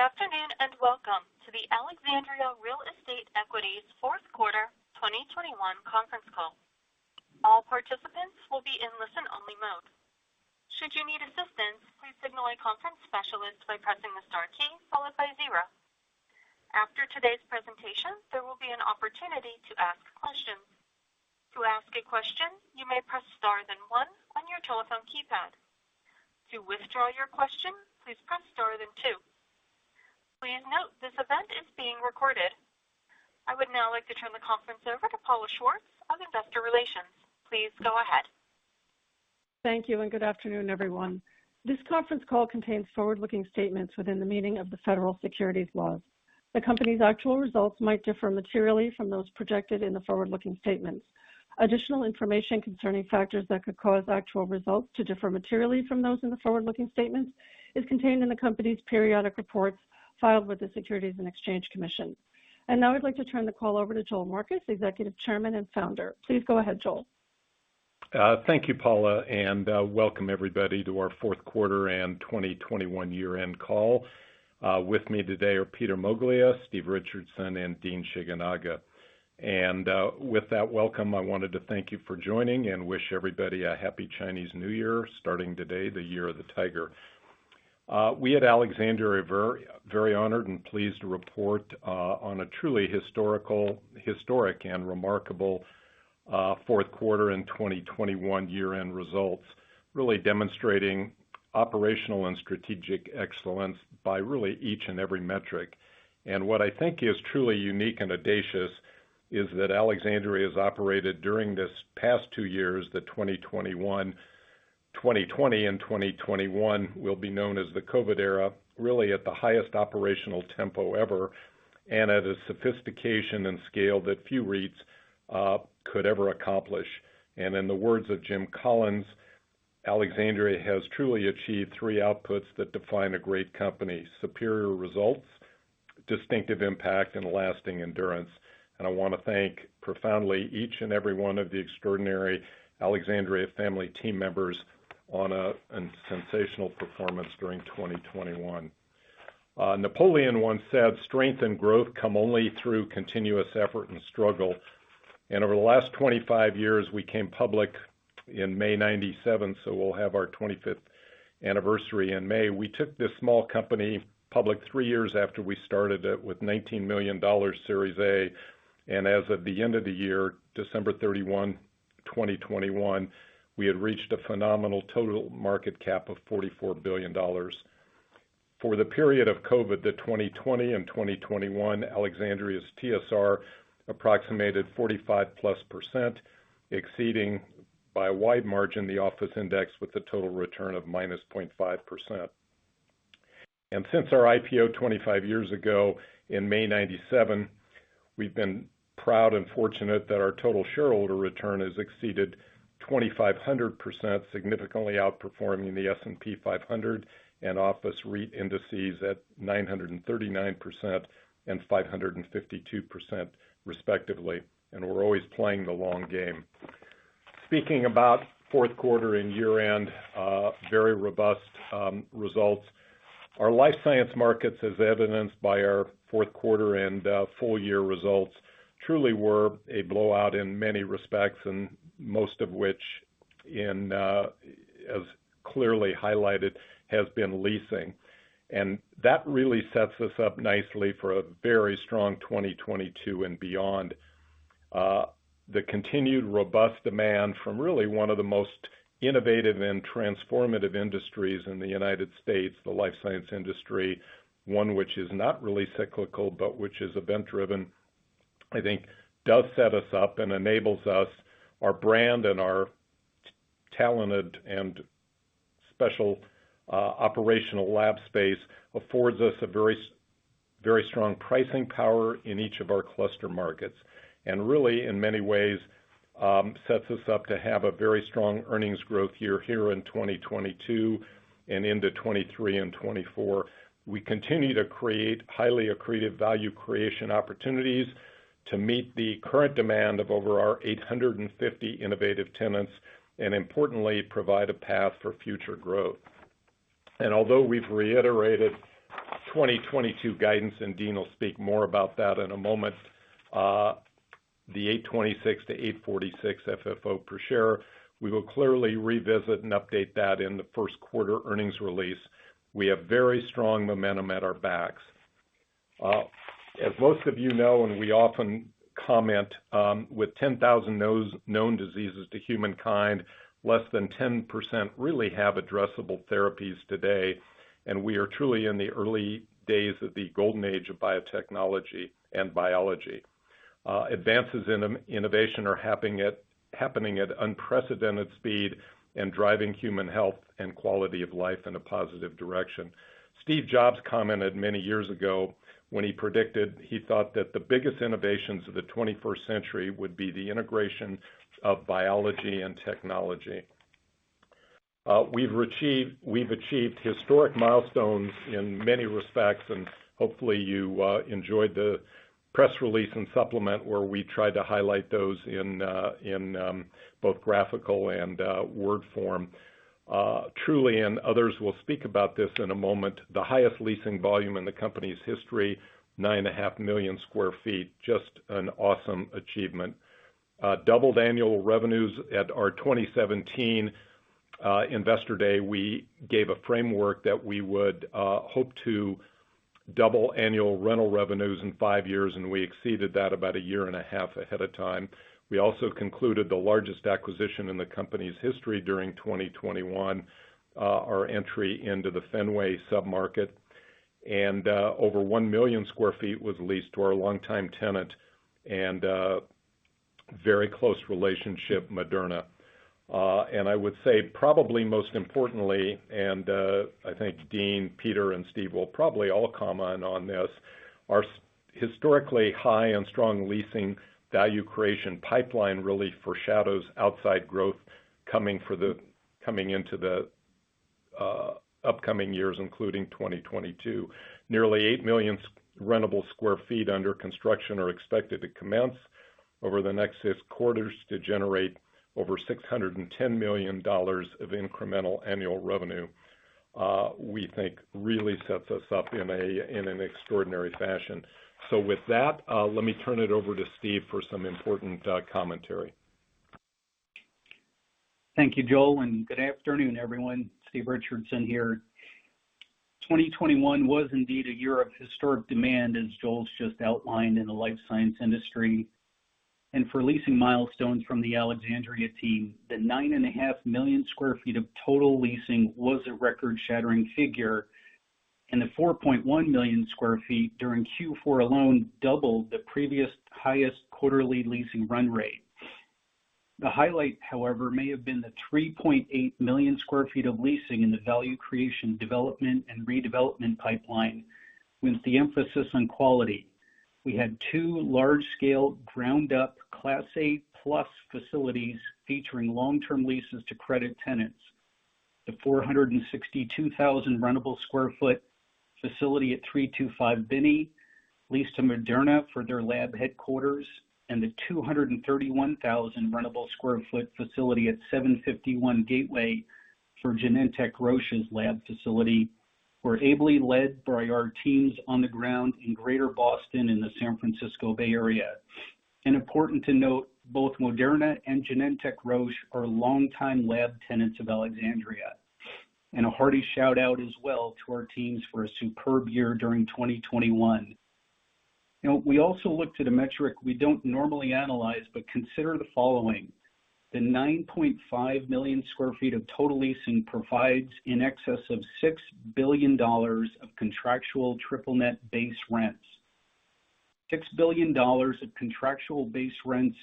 Good afternoon, and welcome to the Alexandria Real Estate Equities fourth quarter 2021 conference call. All participants will be in listen-only mode. Should you need assistance, please signal a conference specialist by pressing the star key followed by zero. Today's presentation, there will be an opportunity to ask questions. To ask a question, you may press star then one on your telephone keypad. To withdraw your question, please press star then two. Please note this event is being recorded. I would now like to turn the conference over to Paula Schwartz of Investor Relations. Please go ahead. Thank you and good afternoon, everyone. This conference call contains forward-looking statements within the meaning of the federal securities laws. The company's actual results might differ materially from those projected in the forward-looking statements. Additional information concerning factors that could cause actual results to differ materially from those in the forward-looking statements is contained in the company's periodic reports filed with the Securities and Exchange Commission. Now I'd like to turn the call over to Joel Marcus, Executive Chairman and Founder. Please go ahead, Joel. Thank you, Paula, and welcome everybody to our fourth quarter and 2021 year-end call. With me today are Peter Moglia, Steve Richardson, and Dean Shigenaga. With that welcome, I wanted to thank you for joining and wish everybody a happy Chinese New Year, starting today, the year of the tiger. We at Alexandria are very, very honored and pleased to report on a truly historic and remarkable fourth quarter and 2021 year-end results, really demonstrating operational and strategic excellence by really each and every metric. What I think is truly unique and audacious is that Alexandria has operated during this past two years, the 2021, 2020, and 2021 will be known as the COVID era, really at the highest operational tempo ever, and at a sophistication and scale that few REITs could ever accomplish. In the words of Jim Collins, Alexandria has truly achieved three outputs that define a great company, superior results, distinctive impact, and lasting endurance. I wanna thank profoundly each and every one of the extraordinary Alexandria family team members on a sensational performance during 2021. Napoleon once said, "Strength and growth come only through continuous effort and struggle." Over the last 25 years, we came public in May 1997, so we'll have our 25th anniversary in May. We took this small company public three years after we started it with $19 million Series A. As of the end of the year, December 31, 2021, we had reached a phenomenal total market cap of $44 billion. For the period of COVID, the 2020 and 2021, Alexandria's TSR approximated 45%+, exceeding by a wide margin the office index with a total return of -0.5%. Since our IPO 25 years ago in May 1997, we've been proud and fortunate that our total shareholder return has exceeded 2,500%, significantly outperforming the S&P 500 and office REIT indices at 939% and 552%, respectively. We're always playing the long game. Speaking about fourth quarter and year-end, very robust results. Our life science markets, as evidenced by our fourth quarter and full-year results, truly were a blowout in many respects, and most of which in, as clearly highlighted, has been leasing. That really sets us up nicely for a very strong 2022 and beyond. The continued robust demand from really one of the most innovative and transformative industries in the United States, the life science industry, one which is not really cyclical, but which is event-driven, I think does set us up and enables us, our brand and our talented and special, operational lab space affords us a very strong pricing power in each of our cluster markets. Really, in many ways, sets us up to have a very strong earnings growth year here in 2022 and into 2023 and 2024. We continue to create highly accretive value creation opportunities to meet the current demand of over 850 innovative tenants, and importantly, provide a path for future growth. Although we've reiterated 2022 guidance, and Dean will speak more about that in a moment, the 8.26-8.46 FFO per share, we will clearly revisit and update that in the first quarter earnings release. We have very strong momentum at our backs. As most of you know, and we often comment, with 10,000 known diseases to humankind, less than 10% really have addressable therapies today, and we are truly in the early days of the golden age of biotechnology and biology. Advances in innovation are happening at unprecedented speed and driving human health and quality of life in a positive direction. Steve Jobs commented many years ago when he predicted he thought that the biggest innovations of the 21st century would be the integration of biology and technology. We've achieved historic milestones in many respects, and hopefully you enjoyed the press release and supplement where we tried to highlight those in both graphical and word form. Truly, others will speak about this in a moment. The highest leasing volume in the company's history, 9.5 million sq ft. Just an awesome achievement. Doubled annual revenues. At our 2017 investor day, we gave a framework that we would hope to double annual rental revenues in five years, and we exceeded that about a year and a half ahead of time. We also concluded the largest acquisition in the company's history during 2021, our entry into the Fenway sub-market. Over 1 million sq ft was leased to our longtime tenant, and very close relationship, Moderna. I would say probably most importantly, I think Dean, Peter, and Steve will probably all comment on this, our historically high and strong leasing value creation pipeline really foreshadows outsized growth coming into the upcoming years, including 2022. Nearly 8 million rentable sq ft under construction are expected to commence over the next 6 quarters to generate over $610 million of incremental annual revenue. We think really sets us up in an extraordinary fashion. With that, let me turn it over to Steve for some important commentary. Thank you, Joel, and good afternoon, everyone. Steve Richardson here. 2021 was indeed a year of historic demand, as Joel's just outlined, in the life science industry. For leasing milestones from the Alexandria team, the 9.5 million sq ft of total leasing was a record-shattering figure, and the 4.1 million sq ft during Q4 alone doubled the previous highest quarterly leasing run rate. The highlight, however, may have been the 3.8 million sq ft of leasing in the value creation, development, and redevelopment pipeline, with the emphasis on quality. We had two large-scale, ground-up Class A plus facilities featuring long-term leases to credit tenants. The 462,000 rentable sq ft facility at 325 Binney leased to Moderna for their lab headquarters, and the 231,000 rentable sq ft facility at 751 Gateway for Genentech, Roche's lab facility, were ably led by our teams on the ground in Greater Boston and the San Francisco Bay Area. Important to note, both Moderna and Genentech, Roche are longtime lab tenants of Alexandria. A hearty shout-out as well to our teams for a superb year during 2021. Now, we also look to the metric we don't normally analyze, but consider the following. The 9.5 million sq ft of total leasing provides in excess of $6 billion of contractual triple net base rents. $6 billion of contractual base rents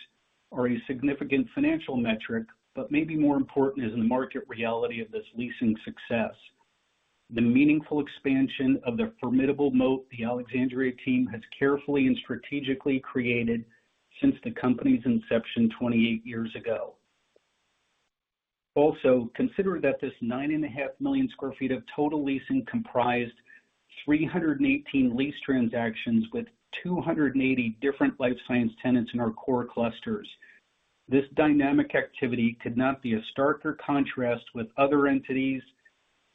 are a significant financial metric, but maybe more important is the market reality of this leasing success, the meaningful expansion of the formidable moat the Alexandria team has carefully and strategically created since the company's inception 28 years ago. Also, consider that this 9.5 million sq ft of total leasing comprised 318 lease transactions with 280 different life science tenants in our core clusters. This dynamic activity could not be a starker contrast with other entities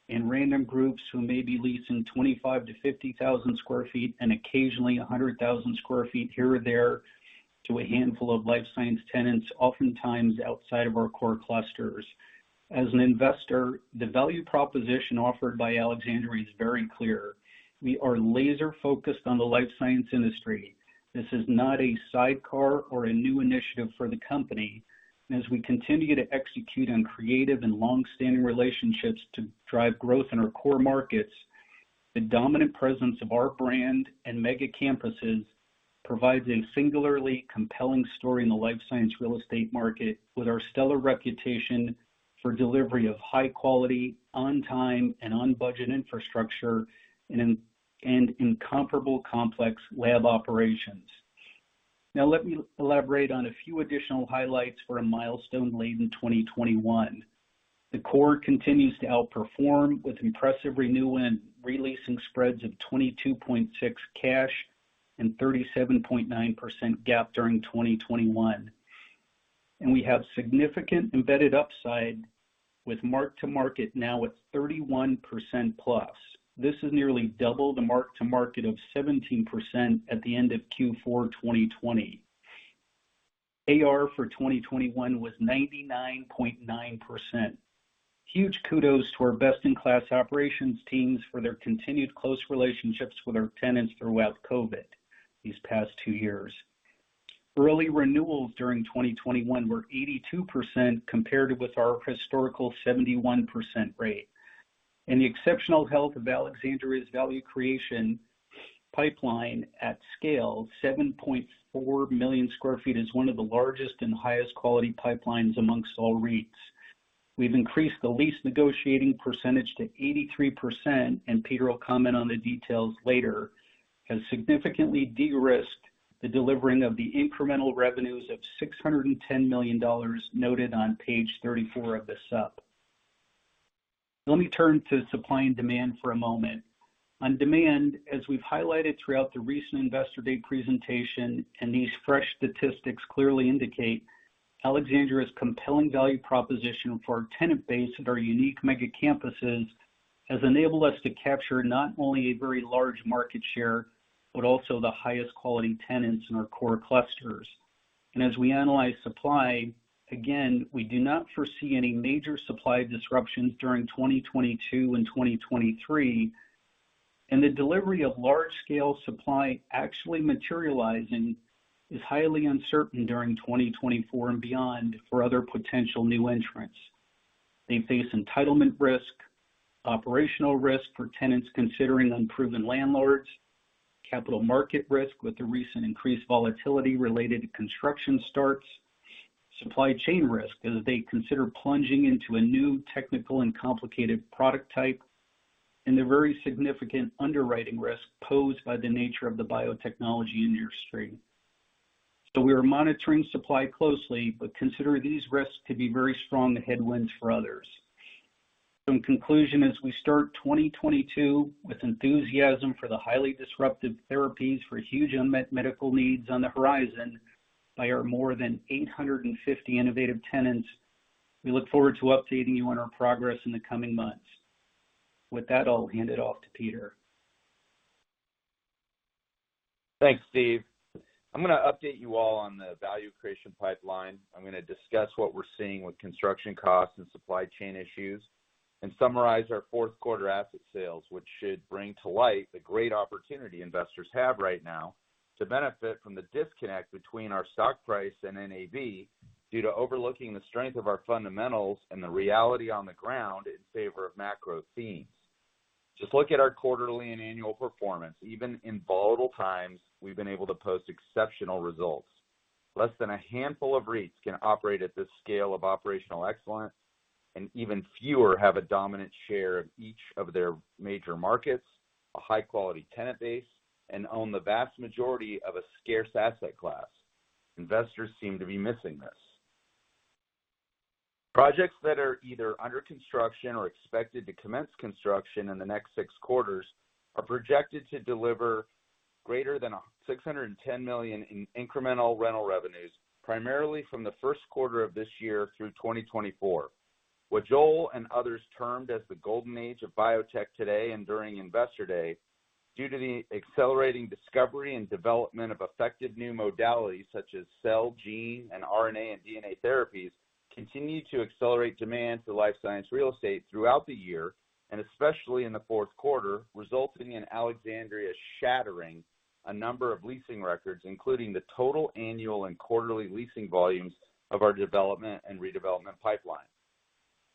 and random groups who may be leasing 25,000-50,000 sq ft, and occasionally 100,000 sq ft here or there to a handful of life science tenants, oftentimes outside of our core clusters. As an investor, the value proposition offered by Alexandria is very clear. We are laser focused on the life science industry. This is not a sidecar or a new initiative for the company. As we continue to execute on creative and long-standing relationships to drive growth in our core markets, the dominant presence of our brand and mega campuses provides a singularly compelling story in the life science real estate market, with our stellar reputation for delivery of high quality, on time, and on budget infrastructure and incomparable complex lab operations. Now let me elaborate on a few additional highlights for a milestone late in 2021. The core continues to outperform with impressive renewal and re-leasing spreads of 22.6% cash and 37.9% GAAP during 2021. We have significant embedded upside with mark to market now at 31%+. This is nearly double the mark to market of 17% at the end of Q4 2020. AR for 2021 was 99.9%. Huge kudos to our best in class operations teams for their continued close relationships with our tenants throughout COVID these past two years. Early renewals during 2021 were 82% compared with our historical 71% rate. The exceptional health of Alexandria's value creation pipeline at scale, 7.4 million sq ft is one of the largest and highest quality pipelines amongst all REITs. We've increased the lease negotiating percentage to 83%, and Peter will comment on the details later, has significantly de-risked the delivering of the incremental revenues of $610 million noted on page 34 of the sup. Let me turn to supply and demand for a moment. On demand, as we've highlighted throughout the recent Investor Day presentation, and these fresh statistics clearly indicate, Alexandria's compelling value proposition for our tenant base at our unique mega campuses has enabled us to capture not only a very large market share, but also the highest quality tenants in our core clusters. As we analyze supply, again, we do not foresee any major supply disruptions during 2022 and 2023. The delivery of large scale supply actually materializing is highly uncertain during 2024 and beyond for other potential new entrants. They face entitlement risk, operational risk for tenants considering unproven landlords, capital market risk with the recent increased volatility related to construction starts, supply chain risk as they consider plunging into a new technical and complicated product type, and the very significant underwriting risk posed by the nature of the biotechnology industry. We are monitoring supply closely, but consider these risks to be very strong headwinds for others. In conclusion, as we start 2022 with enthusiasm for the highly disruptive therapies for huge unmet medical needs on the horizon by our more than 850 innovative tenants, we look forward to updating you on our progress in the coming months. With that, I'll hand it off to Peter. Thanks, Steve. I'm gonna update you all on the value creation pipeline. I'm gonna discuss what we're seeing with construction costs and supply chain issues, and summarize our fourth quarter asset sales, which should bring to light the great opportunity investors have right now to benefit from the disconnect between our stock price and NAV due to overlooking the strength of our fundamentals and the reality on the ground in favor of macro themes. Just look at our quarterly and annual performance. Even in volatile times, we've been able to post exceptional results. Less than a handful of REITs can operate at this scale of operational excellence, and even fewer have a dominant share of each of their major markets, a high quality tenant base, and own the vast majority of a scarce asset class. Investors seem to be missing this. Projects that are either under construction or expected to commence construction in the next six quarters are projected to deliver greater than $610 million in incremental rental revenues, primarily from the first quarter of this year through 2024. What Joel and others termed as the golden age of biotech today and during Investor Day, due to the accelerating discovery and development of effective new modalities such as cell, gene, and RNA and DNA therapies, continue to accelerate demand for life science real estate throughout the year, and especially in the fourth quarter, resulting in Alexandria shattering a number of leasing records, including the total annual and quarterly leasing volumes of our development and redevelopment pipeline.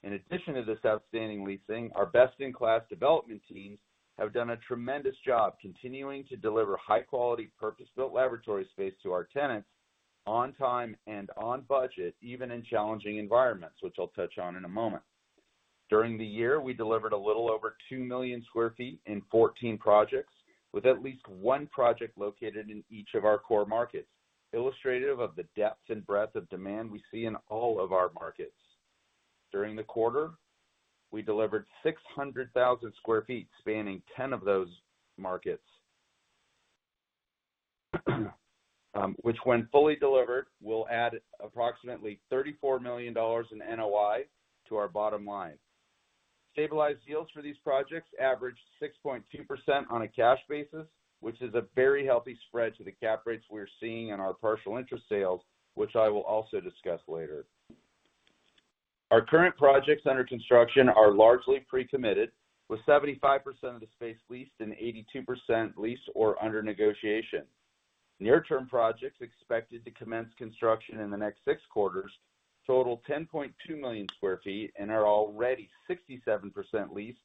In addition to this outstanding leasing, our best in class development teams have done a tremendous job continuing to deliver high quality purpose-built laboratory space to our tenants on time and on budget, even in challenging environments, which I'll touch on in a moment. During the year, we delivered a little over 2 million sq ft in 14 projects, with at least one project located in each of our core markets, illustrative of the depth and breadth of demand we see in all of our markets. During the quarter, we delivered 600,000 sq ft spanning 10 of those markets, which when fully delivered, will add approximately $34 million in NOI to our bottom line. Stabilized yields for these projects averaged 6.2% on a cash basis, which is a very healthy spread to the cap rates we are seeing in our partial interest sales, which I will also discuss later. Our current projects under construction are largely pre-committed, with 75% of the space leased and 82% leased or under negotiation. Near term projects expected to commence construction in the next six quarters total 10.2 million sq ft and are already 67% leased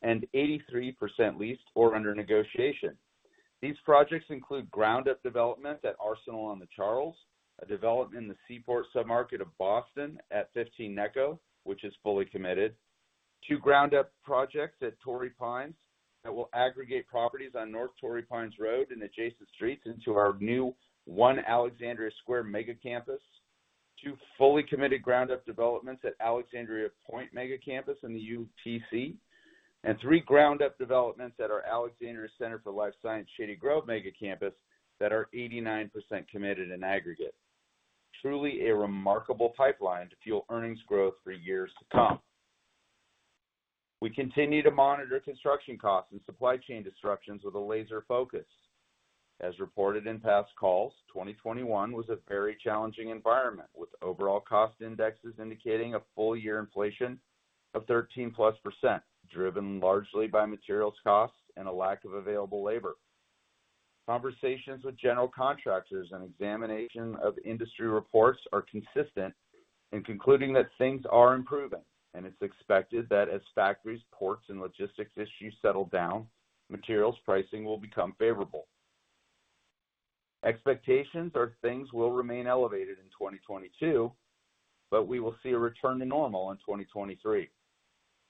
and 83% leased or under negotiation. These projects include ground up development at Arsenal on the Charles, a development in the Seaport submarket of Boston at 15 Necco, which is fully committed. Two ground up projects at Torrey Pines that will aggregate properties on North Torrey Pines Road and adjacent streets into our new One Alexandria Square mega campus. Two fully committed ground up developments at Alexandria Point mega campus in the UTC. Three ground up developments at our Alexandria Center for Life Science Shady Grove mega campus that are 89% committed in aggregate. Truly a remarkable pipeline to fuel earnings growth for years to come. We continue to monitor construction costs and supply chain disruptions with a laser focus. As reported in past calls, 2021 was a very challenging environment, with overall cost indexes indicating a full year inflation of 13%+, driven largely by materials costs and a lack of available labor. Conversations with general contractors and examination of industry reports are consistent in concluding that things are improving, and it's expected that as factories, ports, and logistics issues settle down, materials pricing will become favorable. Expectations are things will remain elevated in 2022, but we will see a return to normal in 2023.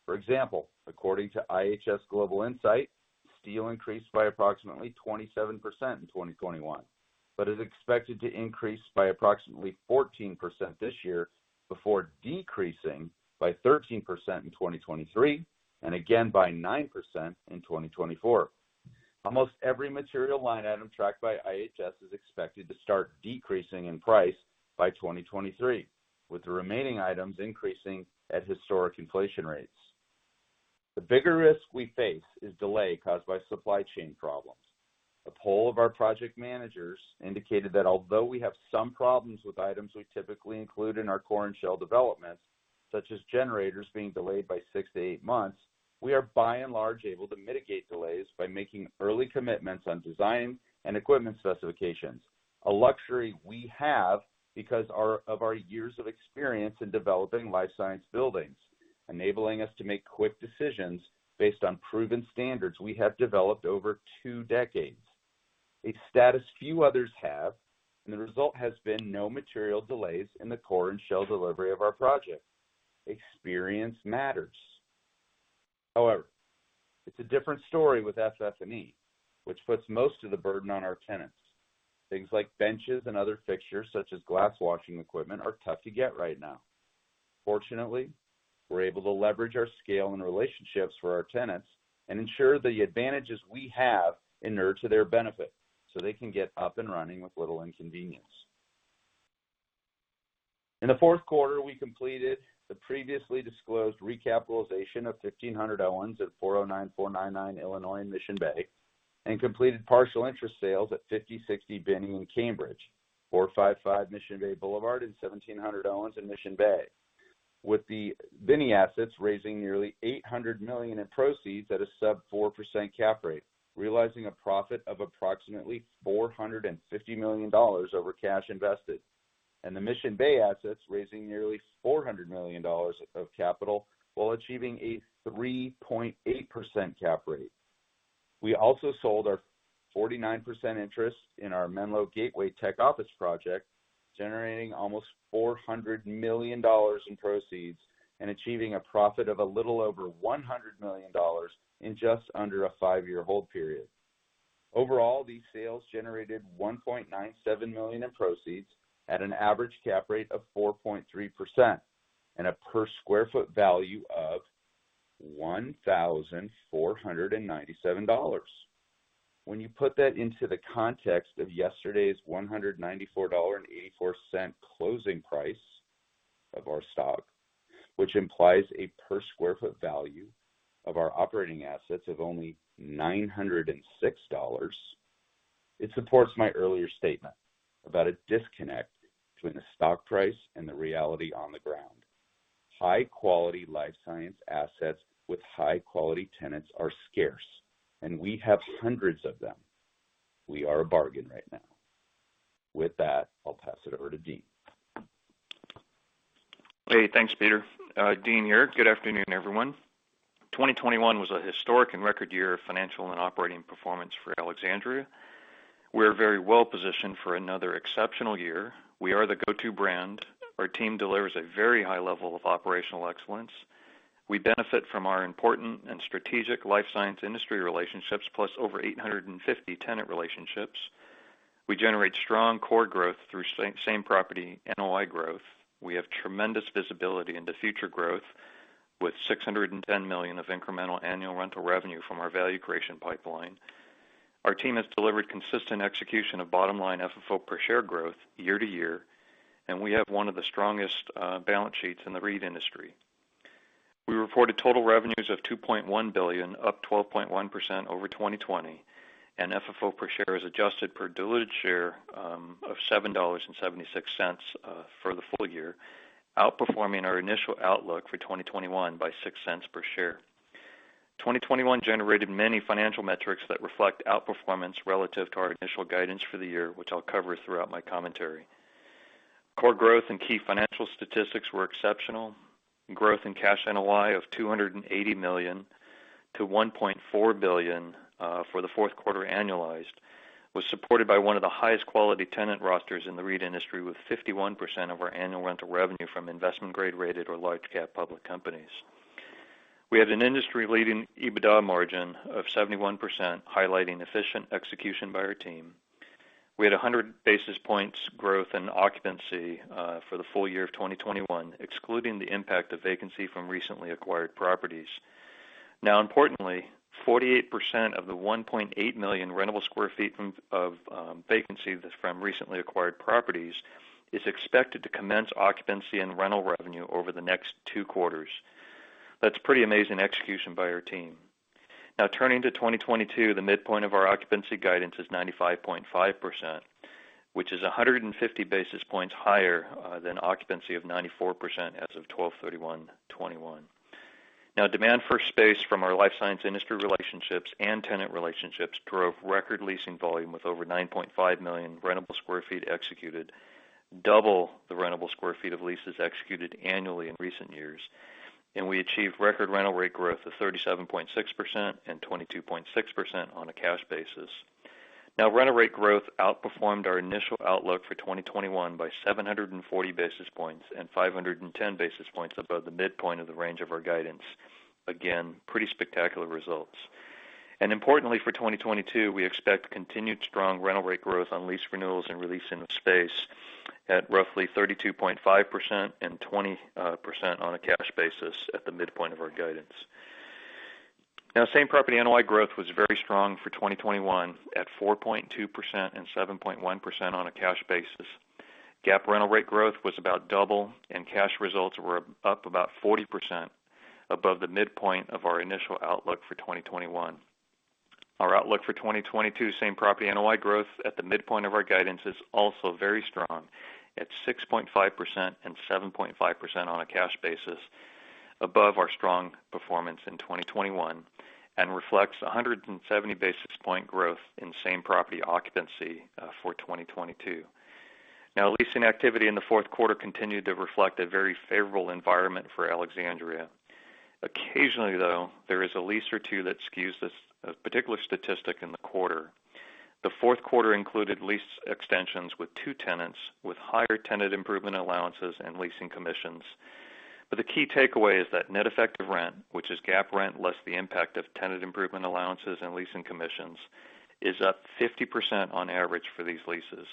For example, according to IHS Global Insight, steel increased by approximately 27% in 2021, but is expected to increase by approximately 14% this year before decreasing by 13% in 2023, and again by 9% in 2024. Almost every material line item tracked by IHS is expected to start decreasing in price by 2023, with the remaining items increasing at historic inflation rates. The bigger risk we face is delay caused by supply chain problems. A poll of our project managers indicated that although we have some problems with items we typically include in our core and shell developments, such as generators being delayed by six to eight months, we are by and large able to mitigate delays by making early commitments on design and equipment specifications. A luxury we have because of our years of experience in developing life science buildings, enabling us to make quick decisions based on proven standards we have developed over two decades. A status few others have, and the result has been no material delays in the core and shell delivery of our project. Experience matters. However, it's a different story with FF&E, which puts most of the burden on our tenants. Things like benches and other fixtures, such as glass washing equipment, are tough to get right now. Fortunately, we're able to leverage our scale and relationships for our tenants and ensure the advantages we have inure to their benefit, so they can get up and running with little inconvenience. In the fourth quarter, we completed the previously disclosed recapitalization of 1500 Owens at 409/499 Illinois in Mission Bay, and completed partial interest sales at 50-60 Binney in Cambridge, 455 Mission Bay Boulevard, and 1700 Owens in Mission Bay. With the Binney assets raising nearly $800 million in proceeds at a sub-4% cap rate, realizing a profit of approximately $450 million over cash invested, and the Mission Bay assets raising nearly $400 million of capital while achieving a 3.8% cap rate. We also sold our 49% interest in our Menlo Gateway tech office project, generating almost $400 million in proceeds and achieving a profit of a little over $100 million in just under a five-year hold period. Overall, these sales generated $1.97 million in proceeds at an average cap rate of 4.3% and a per square foot value of $1,497. When you put that into the context of yesterday's $194.84 closing price of our stock, which implies a per square foot value of our operating assets of only $906, it supports my earlier statement about a disconnect between the stock price and the reality on the ground. High-quality life science assets with high-quality tenants are scarce, and we have hundreds of them. We are a bargain right now. With that, I'll pass it over to Dean. Hey, thanks, Peter. Dean here. Good afternoon, everyone. 2021 was a historic and record year of financial and operating performance for Alexandria. We're very well positioned for another exceptional year. We are the go-to brand. Our team delivers a very high level of operational excellence. We benefit from our important and strategic life science industry relationships, plus over 850 tenant relationships. We generate strong core growth through same property NOI growth. We have tremendous visibility into future growth with $610 million of incremental annual rental revenue from our value creation pipeline. Our team has delivered consistent execution of bottom-line FFO per share growth year to year, and we have one of the strongest balance sheets in the REIT industry. We reported total revenues of $2.1 billion, up 12.1% over 2020, and FFO per share as adjusted per diluted share of $7.76 for the full year, outperforming our initial outlook for 2021 by $0.06 per share. 2021 generated many financial metrics that reflect outperformance relative to our initial guidance for the year, which I'll cover throughout my commentary. Core growth and key financial statistics were exceptional. Growth in cash NOI of $280 million-$1.4 billion for the fourth quarter annualized was supported by one of the highest quality tenant rosters in the REIT industry, with 51% of our annual rental revenue from investment grade rated or large cap public companies. We had an industry-leading EBITDA margin of 71%, highlighting efficient execution by our team. We had 100 basis points growth in occupancy for the full year of 2021, excluding the impact of vacancy from recently acquired properties. Now importantly, 48% of the 1.8 million rentable sq ft of vacancy from recently acquired properties is expected to commence occupancy and rental revenue over the next two quarters. That's pretty amazing execution by our team. Now turning to 2022, the midpoint of our occupancy guidance is 95.5%, which is 150 basis points higher than occupancy of 94% as of 12/31/2021. Now demand for space from our life science industry relationships and tenant relationships drove record leasing volume with over 9.5 million rentable sq ft executed, double the rentable sq ft of leases executed annually in recent years. We achieved record rental rate growth of 37.6% and 22.6% on a cash basis. Rental rate growth outperformed our initial outlook for 2021 by 740 basis points and 510 basis points above the midpoint of the range of our guidance. Again, pretty spectacular results. Importantly, for 2022, we expect continued strong rental rate growth on lease renewals and release in the space at roughly 32.5% and 20% on a cash basis at the midpoint of our guidance. Now same-property NOI growth was very strong for 2021 at 4.2% and 7.1% on a cash basis. GAAP rental rate growth was about double and cash results were up about 40% above the midpoint of our initial outlook for 2021. Our outlook for 2022 same-property NOI growth at the midpoint of our guidance is also very strong at 6.5% and 7.5% on a cash basis above our strong performance in 2021 and reflects 170 basis point growth in same-property occupancy for 2022. Now leasing activity in the fourth quarter continued to reflect a very favorable environment for Alexandria. Occasionally, though, there is a lease or two that skews this particular statistic in the quarter. The fourth quarter included lease extensions with two tenants with higher tenant improvement allowances and leasing commissions. The key takeaway is that net effective rent, which is GAAP rent less the impact of tenant improvement allowances and leasing commissions, is up 50% on average for these leases.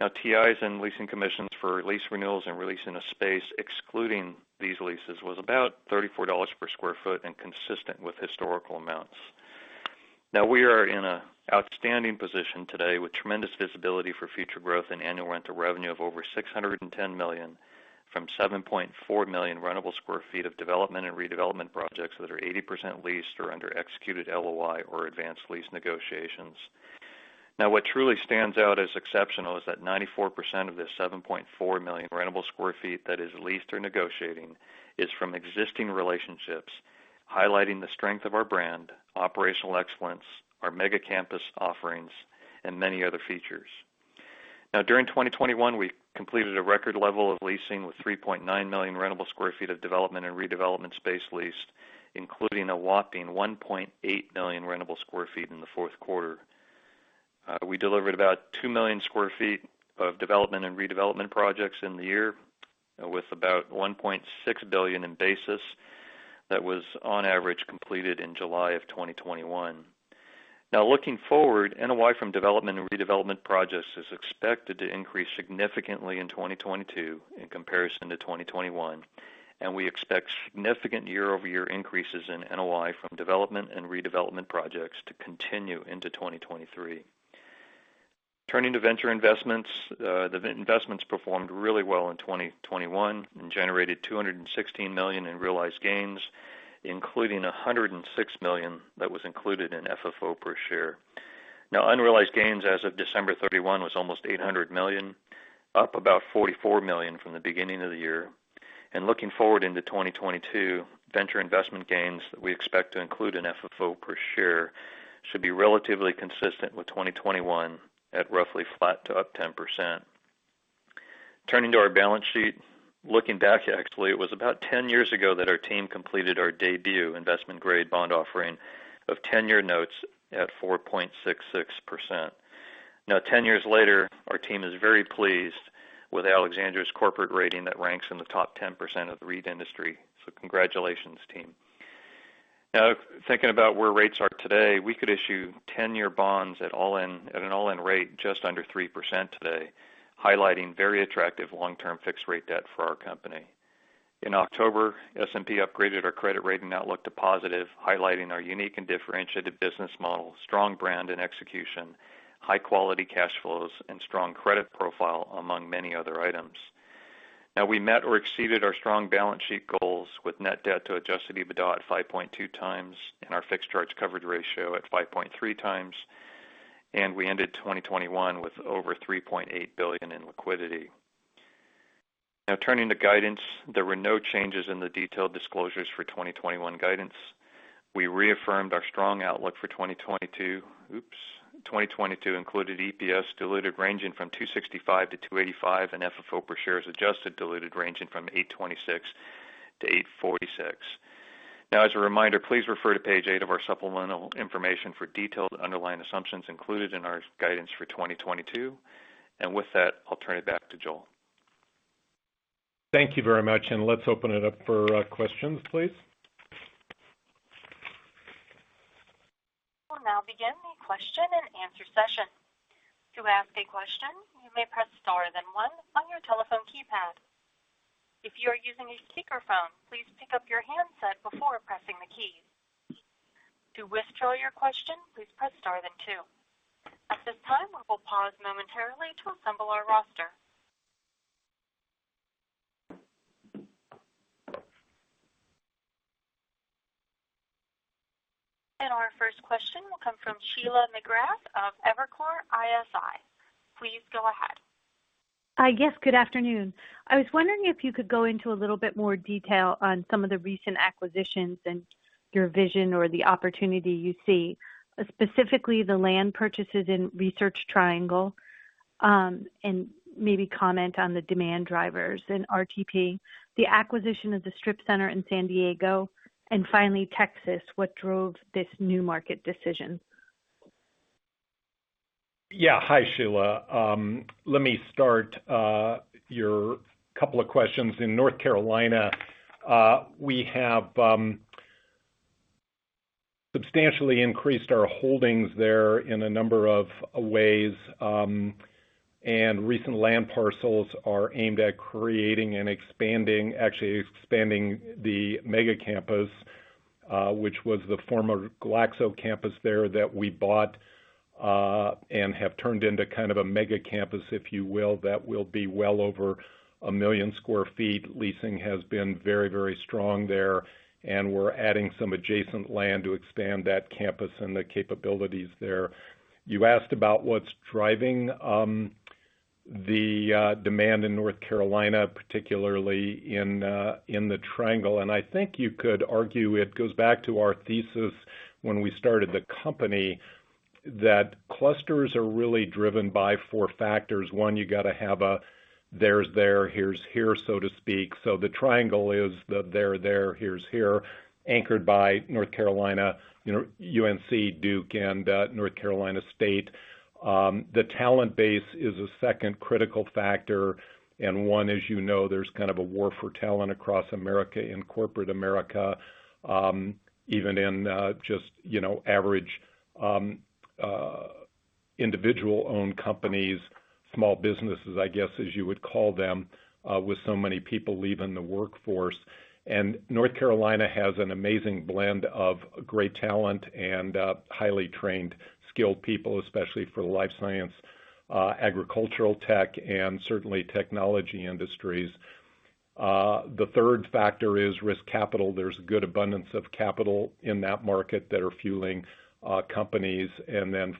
Now TIs and leasing commissions for lease renewals and releasing in a space excluding these leases was about $34 per sq ft and consistent with historical amounts. Now we are in an outstanding position today with tremendous visibility for future growth and annual rental revenue of over $610 million from 7.4 million rentable sq ft of development and redevelopment projects that are 80% leased or under executed LOI or advanced lease negotiations. Now, what truly stands out as exceptional is that 94% of the 7.4 million rentable sq ft that is leased or negotiating is from existing relationships, highlighting the strength of our brand, operational excellence, our mega-campus offerings, and many other features. Now during 2021, we completed a record level of leasing with 3.9 million rentable sq ft of development and redevelopment space leased, including a whopping 1.8 million rentable sq ft in the fourth quarter. We delivered about 2 million sq ft of development and redevelopment projects in the year with about $1.6 billion in basis that was on average completed in July of 2021. Now looking forward, NOI from development and redevelopment projects is expected to increase significantly in 2022 in comparison to 2021, and we expect significant year-over-year increases in NOI from development and redevelopment projects to continue into 2023. Turning to venture investments. The venture investments performed really well in 2021 and generated $216 million in realized gains, including $106 million that was included in FFO per share. Now unrealized gains as of December 31 was almost $800 million, up about $44 million from the beginning of the year. Looking forward into 2022, venture investment gains that we expect to include in FFO per share should be relatively consistent with 2021 at roughly flat to up 10%. Turning to our balance sheet. Looking back, actually, it was about 10 years ago that our team completed our debut investment grade bond offering of 10-year notes at 4.66%. Now, 10 years later, our team is very pleased with Alexandria's corporate rating that ranks in the top 10% of the REIT industry. Congratulations, team. Now, thinking about where rates are today, we could issue 10-year bonds at all-in, at an all-in rate just under 3% today, highlighting very attractive long-term fixed rate debt for our company. In October, S&P upgraded our credit rating outlook to positive, highlighting our unique and differentiated business model, strong brand and execution, high quality cash flows, and strong credit profile, among many other items. Now we met or exceeded our strong balance sheet goals with net debt to adjusted EBITDA at 5.2x and our fixed charge coverage ratio at 5.3x. We ended 2021 with over $3.8 billion in liquidity. Now turning to guidance. There were no changes in the detailed disclosures for 2021 guidance. We reaffirmed our strong outlook for 2022. Oops. 2022 included EPS diluted ranging from $2.65-$2.85, and FFO per share is adjusted diluted ranging from $8.26-$8.46. Now as a reminder, please refer to page eight of our supplemental information for detailed underlying assumptions included in our guidance for 2022. With that, I'll turn it back to Joel. Thank you very much. Let's open it up for questions, please. We'll now begin the Q&A session. To ask a question, you may press star then one on your telephone keypad. If you are using a speakerphone, please pick up your handset before pressing the key. To withdraw your question, please press star then two. At this time, we will pause momentarily to assemble our roster. Our first question will come from Sheila McGrath of Evercore ISI. Please go ahead. Hi. Yes, good afternoon. I was wondering if you could go into a little bit more detail on some of the recent acquisitions and your vision or the opportunity you see, specifically the land purchases in Research Triangle, and maybe comment on the demand drivers in RTP, the acquisition of the strip center in San Diego, and finally Texas, what drove this new market decision? Yeah. Hi, Sheila. Let me start with your couple of questions. In North Carolina, we have substantially increased our holdings there in a number of ways. Recent land parcels are aimed at creating and expanding—actually expanding the mega campus, which was the former Glaxo campus there that we bought and have turned into kind of a mega campus, if you will. That will be well over 1 million sq ft. Leasing has been very, very strong there, and we're adding some adjacent land to expand that campus and the capabilities there. You asked about what's driving the demand in North Carolina, particularly in the Triangle. I think you could argue it goes back to our thesis when we started the company that clusters are really driven by four factors. One, you got to have a there's there, here's here, so to speak. The triangle is the there's there, here's here, anchored by North Carolina, UNC, Duke, and North Carolina State. The talent base is a second critical factor. One, as you know, there's kind of a war for talent across America and corporate America, even in just average individual-owned companies, small businesses, as you would call them, with so many people leaving the workforce. North Carolina has an amazing blend of great talent and highly trained, skilled people, especially for the life science, agricultural tech, and certainly technology industries. The third factor is risk capital. There's good abundance of capital in that market that are fueling companies.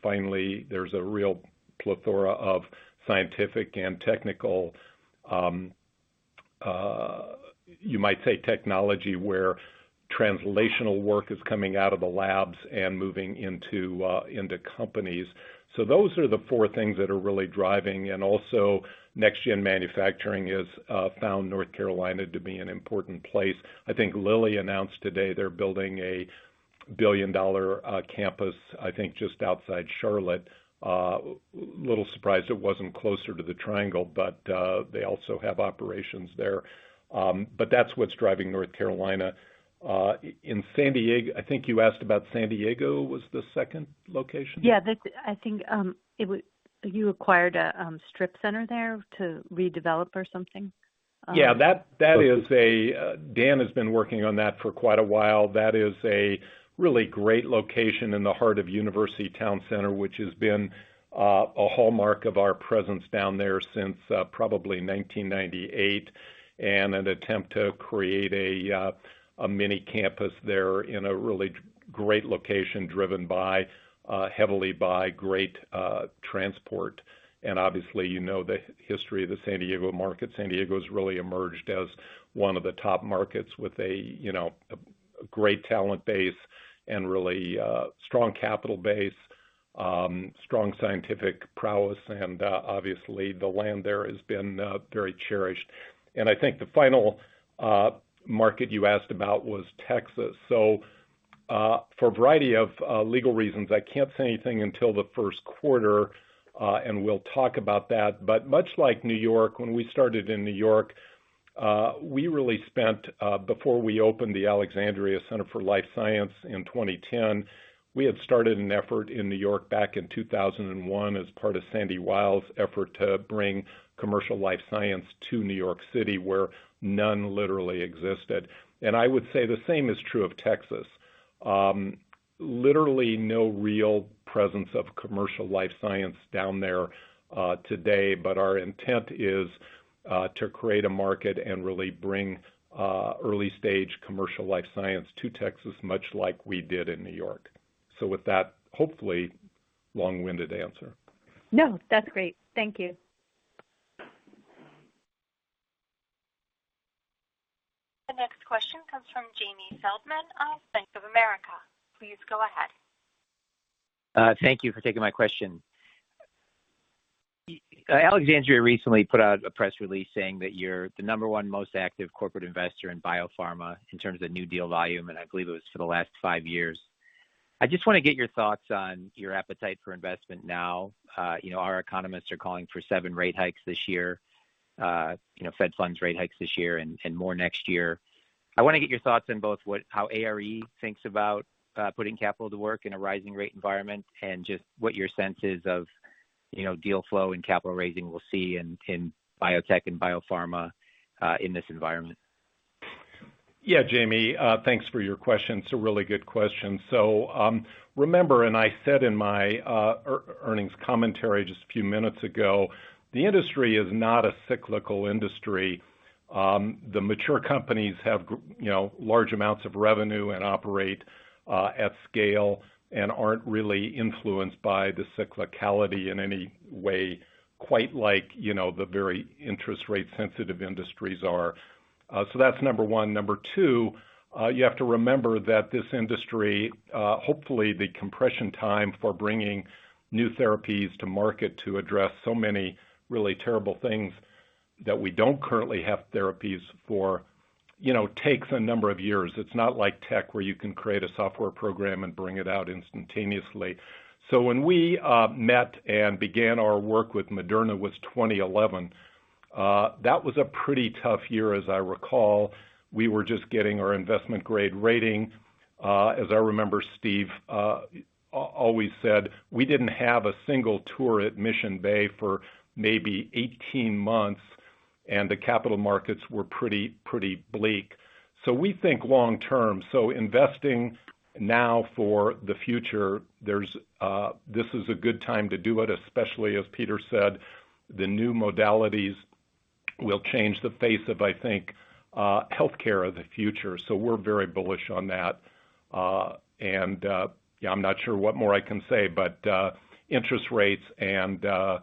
Finally, there's a real plethora of scientific and technical, you might say technology, where translational work is coming out of the labs and moving into companies. Those are the four things that are really driving. Next gen manufacturing is found North Carolina to be an important place. I think Lilly announced today they're building a $1 billion campus, I think, just outside Charlotte. I'm a little surprised it wasn't closer to the Triangle, but they also have operations there. That's what's driving North Carolina. In San Diego, I think you asked about San Diego, was the second location. Yeah, that's, I think you acquired a strip center there to redevelop or something. Yeah, Dan has been working on that for quite a while. That is a really great location in the heart of University Towne Centre, which has been a hallmark of our presence down there since probably 1998, and an attempt to create a mini campus there in a really great location, driven heavily by great transport. Obviously, you know, the history of the San Diego market. San Diego's really emerged as one of the top markets with a great talent base and really strong capital base, strong scientific prowess, and obviously the land there has been very cherished. I think the final market you asked about was Texas. For a variety of legal reasons, I can't say anything until the first quarter, and we'll talk about that. Much like New York, when we started in New York, we really spent before we opened the Alexandria Center for Life Science in 2010, we had started an effort in New York back in 2001 as part of Sandy Weill's effort to bring commercial life science to New York City, where none literally existed. I would say the same is true of Texas. Literally no real presence of commercial life science down there today. Our intent is to create a market and really bring early-stage commercial life science to Texas, much like we did in New York. With that, hopefully long-winded answer. No, that's great. Thank you. The next question comes from Jamie Feldman of Bank of America. Please go ahead. Thank you for taking my question. Alexandria recently put out a press release saying that you're the number one most active corporate investor in biopharma in terms of new deal volume, and I believe it was for the last five years. I just wanna get your thoughts on your appetite for investment now. You know, our economists are calling for seven rate hikes this year. You know, Fed funds rate hikes this year and more next year. I wanna get your thoughts on both how ARE thinks about putting capital to work in a rising rate environment and just what your sense is of, you know, deal flow and capital raising we'll see in biotech and biopharma in this environment. Yeah, Jamie, thanks for your question. It's a really good question. Remember, and I said in my earnings commentary just a few minutes ago, the industry is not a cyclical industry. The mature companies have, you know, large amounts of revenue and operate at scale and aren't really influenced by the cyclicality in any way, quite like, you know, the very interest rate sensitive industries are. That's number one. Number two, you have to remember that this industry, hopefully the compression time for bringing new therapies to market to address so many really terrible things that we don't currently have therapies for, you know, takes a number of years. It's not like tech, where you can create a software program and bring it out instantaneously. When we met and began our work with Moderna was 2011, that was a pretty tough year as I recall. We were just getting our investment grade rating. As I remember, Steve always said, we didn't have a single tour at Mission Bay for maybe 18 months, and the capital markets were pretty bleak. We think long term. Investing now for the future, this is a good time to do it, especially as Peter said, the new modalities will change the face of, I think, healthcare of the future. We're very bullish on that. Yeah, I'm not sure what more I can say, but interest rates and the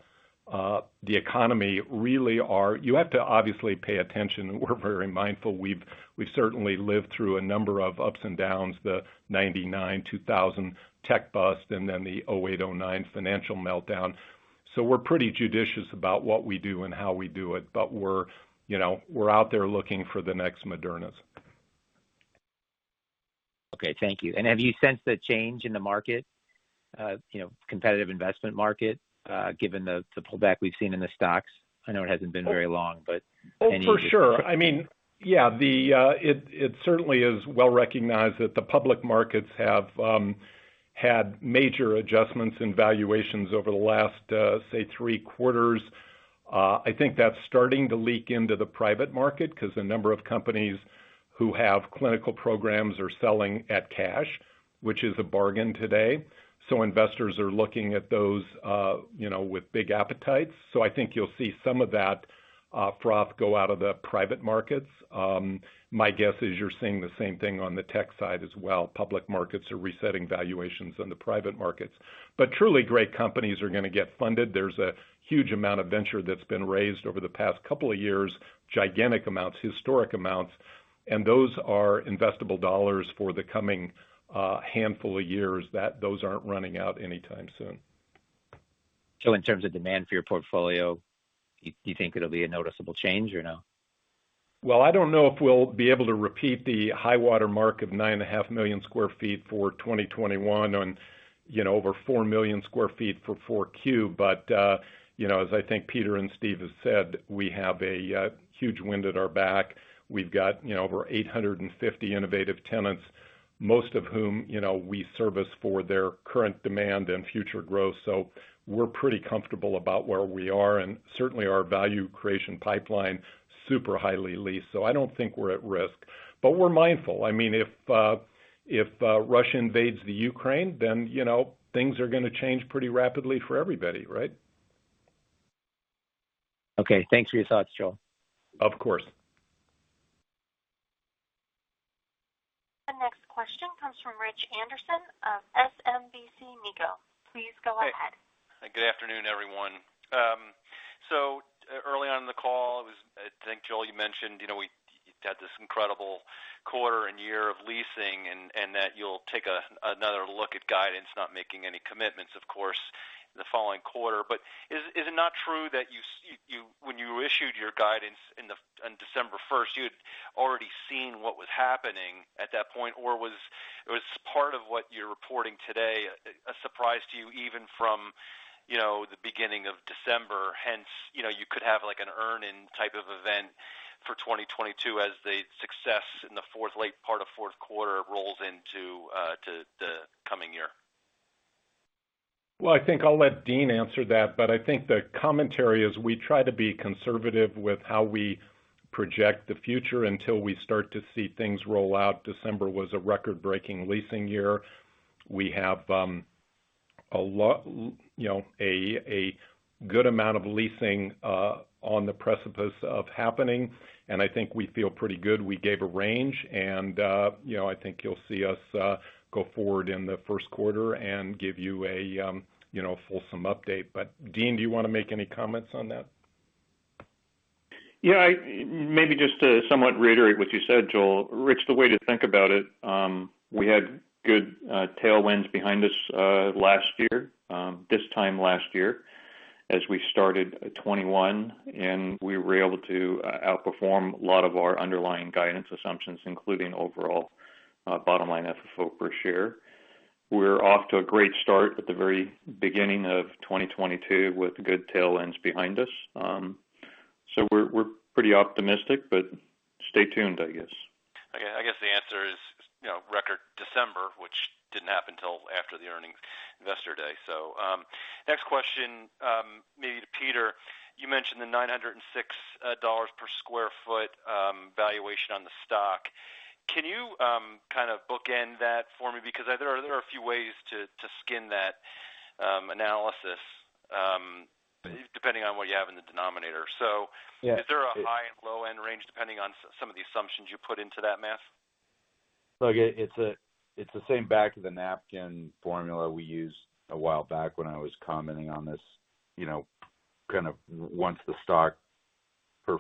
economy really are. You have to obviously pay attention. We're very mindful. We've certainly lived through a number of ups and downs, the 1999, 2000 tech bust and then the 2008, 2009 financial meltdown. We're pretty judicious about what we do and how we do it. We're, you know, we're out there looking for the next Moderna. Okay, thank you. Have you sensed a change in the market, you know, competitive investment market, given the pullback we've seen in the stocks? I know it hasn't been very long, but any- Oh, for sure. I mean, yeah, it certainly is well recognized that the public markets have had major adjustments in valuations over the last, say, three quarters. I think that's starting to leak into the private market because a number of companies who have clinical programs are selling at cash, which is a bargain today. So investors are looking at those, you know, with big appetites. So I think you'll see some of that froth go out of the private markets. My guess is you're seeing the same thing on the tech side as well. Public markets are resetting valuations in the private markets. But truly great companies are gonna get funded. There's a huge amount of venture that's been raised over the past couple of years, gigantic amounts, historic amounts, and those are investable dollars for the coming, handful of years that those aren't running out anytime soon. In terms of demand for your portfolio, do you think it'll be a noticeable change or no? I don't know if we'll be able to repeat the high water mark of 9.5 million sq ft for 2021, you know, over 4 million sq ft for 4Q. You know, as I think Peter and Steve have said, we have a huge wind at our back. We've got, you know, over 850 innovative tenants, most of whom, you know, we service for their current demand and future growth. We're pretty comfortable about where we are and certainly our value creation pipeline, super highly leased. I don't think we're at risk. We're mindful. I mean, if Russia invades the Ukraine, then, you know, things are gonna change pretty rapidly for everybody, right? Okay. Thanks for your thoughts, Joel. Of course. The next question comes from Rich Anderson of SMBC Nikko. Please go ahead. Good afternoon, everyone. Early on in the call, I think, Joel, you mentioned, you know, you've had this incredible quarter and year of leasing and that you'll take another look at guidance, not making any commitments, of course, in the following quarter. Is it not true that you, when you issued your guidance on December 1st, you had already seen what was happening at that point? Or was part of what you're reporting today a surprise to you even from, you know, the beginning of December, hence, you know, you could have like an earn-in type of event for 2022 as the success in the late part of fourth quarter rolls into the coming year? Well, I think I'll let Dean answer that, but I think the commentary is we try to be conservative with how we project the future until we start to see things roll out. December was a record-breaking leasing year. We have a lot, you know, a good amount of leasing on the precipice of happening, and I think we feel pretty good. We gave a range and, you know, I think you'll see us go forward in the first quarter and give you a fulsome update. But Dean, do you wanna make any comments on that? Yeah. Maybe just to somewhat reiterate what you said, Joel. Rich, the way to think about it, we had good tailwinds behind us last year, this time last year as we started 2021, and we were able to outperform a lot of our underlying guidance assumptions, including overall bottom line FFO per share. We're off to a great start at the very beginning of 2022 with good tailwinds behind us. So we're pretty optimistic, but stay tuned, I guess. Okay. I guess the answer is, you know, record December, which didn't happen till after the earnings investor day. Next question, maybe to Peter. You mentioned the $906 per sq ft valuation on the stock. Can you kind of bookend that for me? Because there are a few ways to skin that analysis, depending on what you have in the denominator. Yes Is there a high and low end range, depending on some of the assumptions you put into that math? Look, it's the same back of the napkin formula we used a while back when I was commenting on this, you know, kind of once the stock per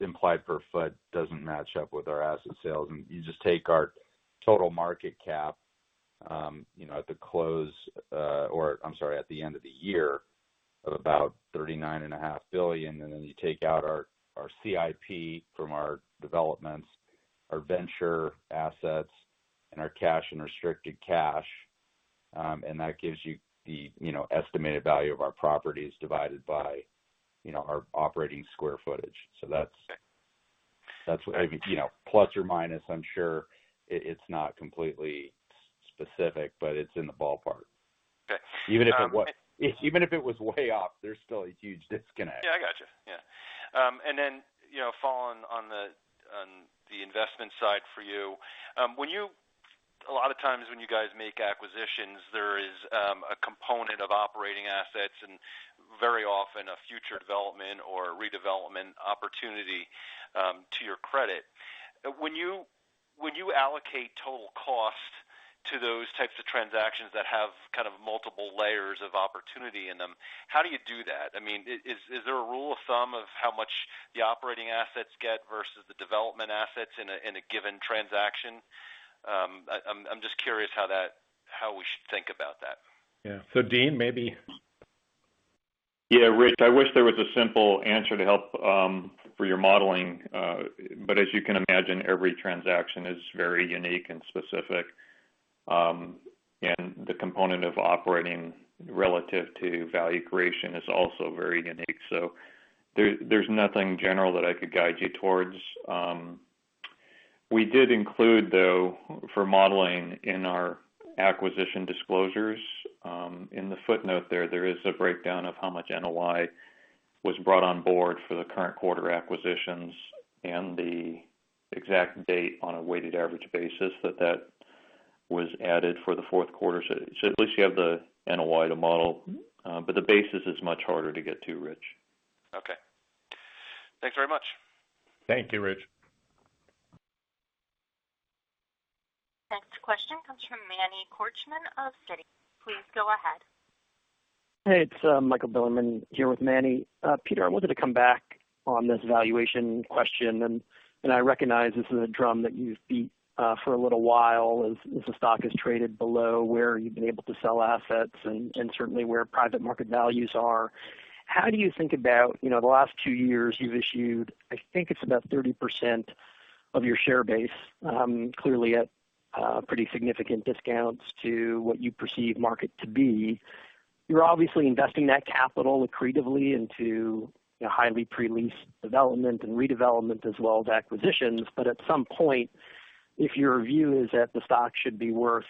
implied per foot doesn't match up with our asset sales. You just take our total market cap, you know, at the close, or I'm sorry, at the end of the year of about $39.5 billion, and then you take out our CIP from our developments, our venture assets, and our cash and restricted cash, and that gives you the estimated value of our properties divided by our operating square footage. That's, you know, plus or minus, I'm sure it's not completely specific, but it's in the ballpark. Okay. Even if it was way off, there's still a huge disconnect. Yeah, I got you. Yeah. And then, you know, following on the investment side for you, a lot of times when you guys make acquisitions, there is a component of operating assets and very often a future development or redevelopment opportunity, to your credit. When you allocate total cost to those types of transactions that have kind of multiple layers of opportunity in them, how do you do that? I mean, is there a rule of thumb of how much the operating assets get versus the development assets in a given transaction? I'm just curious how we should think about that. Yeah. Dean, maybe. Yeah, Rich, I wish there was a simple answer to help for your modeling. As you can imagine, every transaction is very unique and specific. The component of operating relative to value creation is also very unique. There's nothing general that I could guide you towards. We did include, though, for modeling in our acquisition disclosures, in the footnote there is a breakdown of how much NOI was brought on board for the current quarter acquisitions and the exact date on a weighted average basis that was added for the fourth quarter. At least you have the NOI to model, but the basis is much harder to get to, Rich. Okay. Thanks very much. Thank you, Rich. Next question comes from Manny Korchman of Citi. Please go ahead. Hey, it's Michael Bilerman here with Manny. Peter, I wanted to come back on this valuation question, and I recognize this is a drum that you've beat for a little while as the stock has traded below where you've been able to sell assets and certainly where private market values are. How do you think about, you know, the last two years you've issued, I think it's about 30% of your share base, clearly at pretty significant discounts to what you perceive market to be. You're obviously investing that capital accretively into a highly pre-leased development and redevelopment as well as acquisitions. At some point, if your view is that the stock should be worth,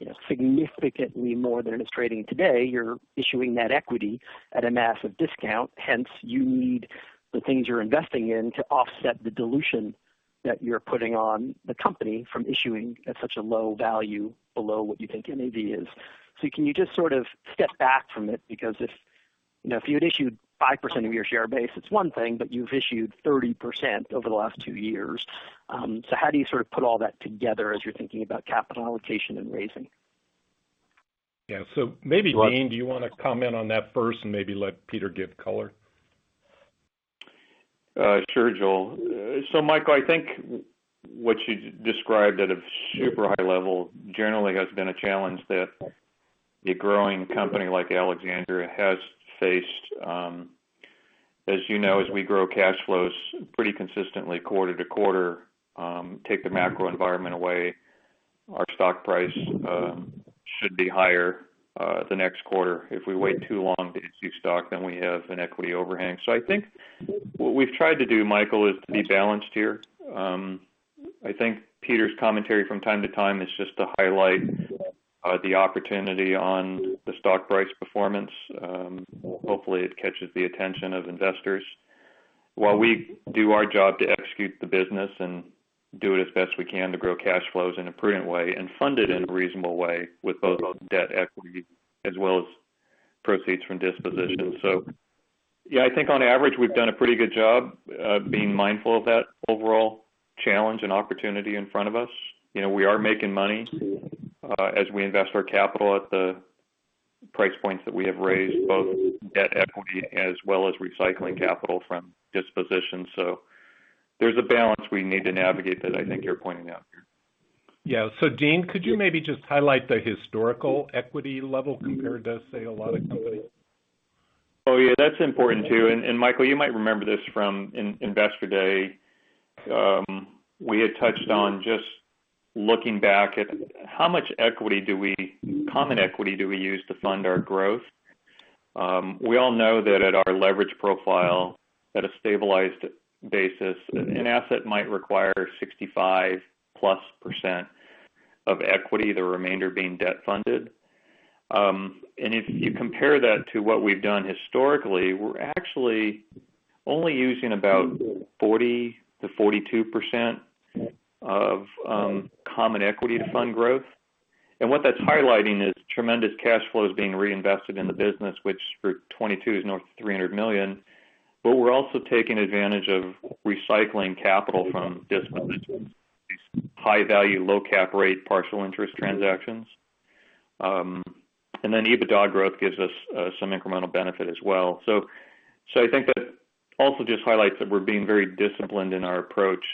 you know, significantly more than it's trading today, you're issuing that equity at a massive discount, hence you need the things you're investing in to offset the dilution that you're putting on the company from issuing at such a low value below what you think your NAV is. Can you just sort of step back from it? Because if, you know, if you had issued 5% of your share base, it's one thing, but you've issued 30% over the last two years. How do you sort of put all that together as you're thinking about capital allocation and raising? Yeah. Maybe, Dean, do you wanna comment on that first and maybe let Peter give color? Sure, Joel. Michael, I think what you described at a super high level generally has been a challenge that a growing company like Alexandria has faced. As you know, as we grow cash flows pretty consistently quarter to quarter, take the macro environment away, our stock price should be higher the next quarter. If we wait too long to issue stock, then we have an equity overhang. I think what we've tried to do, Michael, is to be balanced here. I think Peter's commentary from time to time is just to highlight the opportunity on the stock price performance. Hopefully, it catches the attention of investors while we do our job to execute the business and do it as best we can to grow cash flows in a prudent way and fund it in a reasonable way with both debt equity as well as proceeds from dispositions. Yeah, I think on average, we've done a pretty good job, being mindful of that overall challenge and opportunity in front of us. You know, we are making money, as we invest our capital at the price points that we have raised, both debt equity as well as recycling capital from dispositions. There's a balance we need to navigate that I think you're pointing out here. Yeah. Dean, could you maybe just highlight the historical equity level compared to, say, a lot of companies? Oh, yeah, that's important too. Michael, you might remember this from Investor Day. We had touched on just looking back at how much common equity do we use to fund our growth. We all know that at our leverage profile at a stabilized basis, an asset might require 65%+ of equity, the remainder being debt-funded. If you compare that to what we've done historically, we're actually only using about 40%-42% of common equity to fund growth. What that's highlighting is tremendous cash flows being reinvested in the business, which for 2022 is north of $300 million. We're also taking advantage of recycling capital from high value, low cap rate, partial interest transactions. EBITDA growth gives us some incremental benefit as well. I think that also just highlights that we're being very disciplined in our approach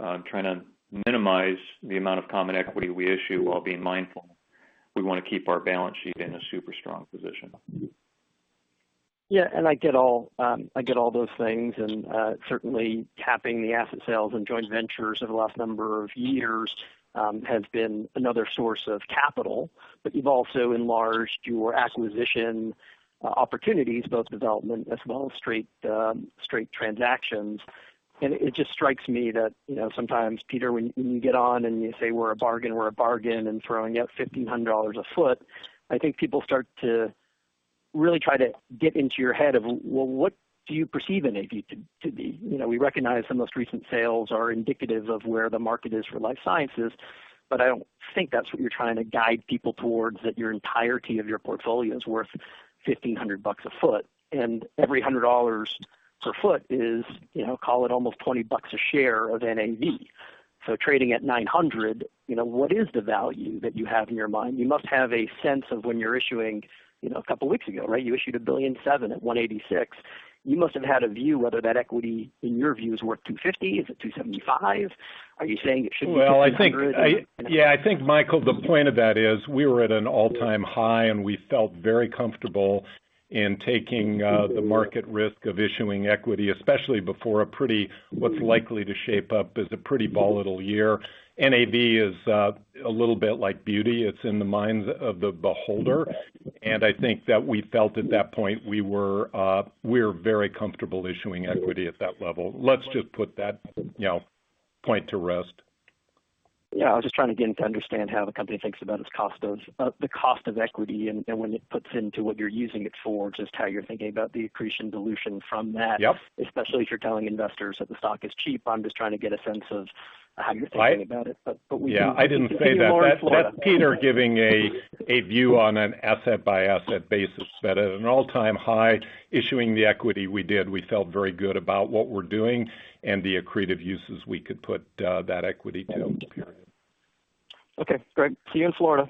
on trying to minimize the amount of common equity we issue while being mindful. We wanna keep our balance sheet in a super strong position. Yeah. I get all those things. Certainly tapping the asset sales and joint ventures over the last number of years has been another source of capital. You've also enlarged your acquisition opportunities, both development as well as straight transactions. It just strikes me that, you know, sometimes, Peter, when you get on and you say we're a bargain and throwing out $1,500 a foot, I think people start to really try to get into your head of, well, what do you perceive NAV to be? You know, we recognize the most recent sales are indicative of where the market is for life sciences, but I don't think that's what you're trying to guide people towards, that your entirety of your portfolio is worth $1,500 a foot, and every $100 per foot is, you know, call it almost $20 a share of NAV. Trading at $900, you know, what is the value that you have in your mind? You must have a sense of when you're issuing, you know, a couple weeks ago, right? You issued $1.7 billion at $186. You must have had a view whether that equity, in your view, is worth $250. Is it $275? Are you saying it should be $600? I think, Michael, the point of that is we were at an all-time high, and we felt very comfortable in taking the market risk of issuing equity, especially before a pretty, what's likely to shape up as a pretty volatile year. NAV is a little bit like beauty. It's in the minds of the beholder. I think that we felt at that point we're very comfortable issuing equity at that level. Let's just put that, you know, point to rest. Yeah. I was just trying to get to understand how the company thinks about its cost of equity and when it puts into what you're using it for, just how you're thinking about the accretion dilution from that. Yep. Especially if you're telling investors that the stock is cheap. I'm just trying to get a sense of how you're thinking about it. We can- Yeah, I didn't say that. See you in Florida. That's Peter giving a view on an asset-by-asset basis. At an all-time high, issuing the equity we did, we felt very good about what we're doing and the accretive uses we could put that equity to. Okay, great. See you in Florida.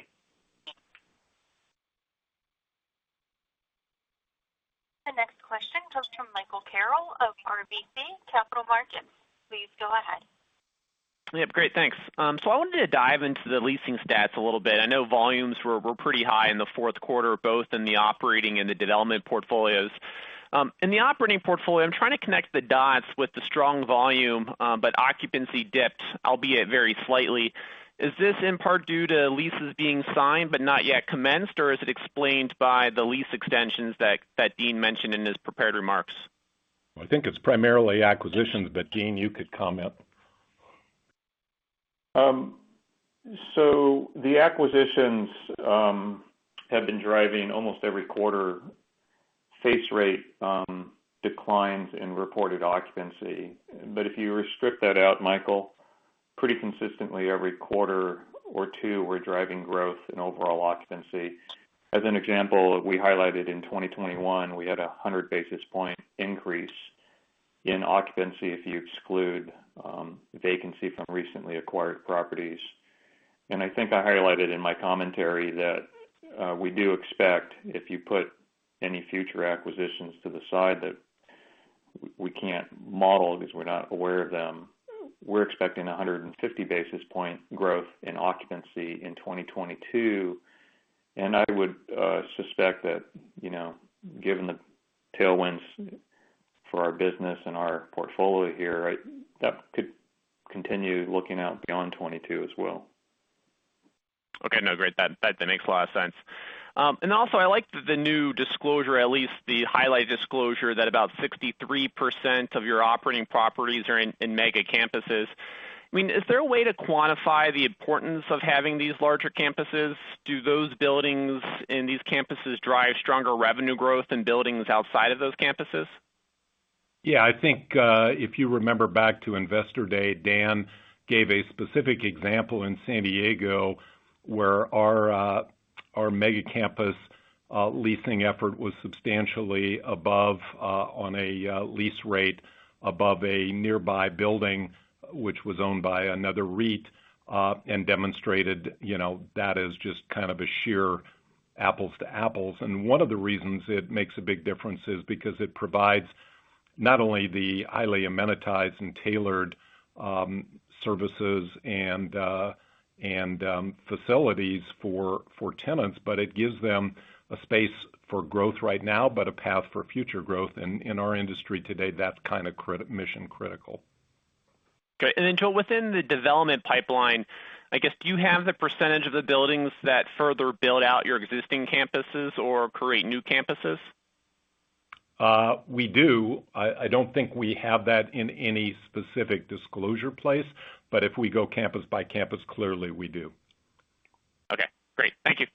The next question comes from Michael Carroll of RBC Capital Markets. Please go ahead. Yep, great. Thanks. I wanted to dive into the leasing stats a little bit. I know volumes were pretty high in the fourth quarter, both in the operating and the development portfolios. In the operating portfolio, I'm trying to connect the dots with the strong volume, but occupancy dipped, albeit very slightly. Is this in part due to leases being signed but not yet commenced, or is it explained by the lease extensions that Dean mentioned in his prepared remarks? I think it's primarily acquisitions, but Dean, you could comment. The acquisitions have been driving almost every quarter face rate declines in reported occupancy. If you restrict that out, Michael, pretty consistently every quarter or two, we're driving growth in overall occupancy. As an example, we highlighted in 2021, we had a 100 basis point increase in occupancy if you exclude vacancy from recently acquired properties. I think I highlighted in my commentary that we do expect if you put any future acquisitions to the side that we can't model because we're not aware of them, we're expecting a 150 basis point growth in occupancy in 2022. I would suspect that, you know, given the tailwinds for our business and our portfolio here, that could continue looking out beyond 2022 as well. Okay. No, great. That makes a lot of sense. Also I like the new disclosure, at least the highlight disclosure, that about 63% of your operating properties are in mega campuses. I mean, is there a way to quantify the importance of having these larger campuses? Do those buildings in these campuses drive stronger revenue growth than buildings outside of those campuses? Yeah. I think if you remember back to Investor Day, Dan gave a specific example in San Diego, where our mega campus leasing effort was substantially above on a lease rate above a nearby building which was owned by another REIT and demonstrated, you know, that is just kind of a sheer apples to apples. One of the reasons it makes a big difference is because it provides not only the highly amenitized and tailored services and facilities for tenants, but it gives them a space for growth right now, but a path for future growth. In our industry today, that's kind of mission-critical. Great. Within the development pipeline, I guess, do you have the percentage of the buildings that further build out your existing campuses or create new campuses? We do. I don't think we have that in any specific disclosure place, but if we go campus by campus, clearly we do. Okay, great. Thank you.